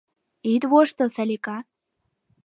Ит воштыл, Салика.